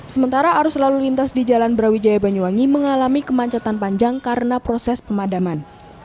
sementara arus lalu lintas di jalan brawijaya banyuwangi mengalami kemacetan panjang karena proses pemadaman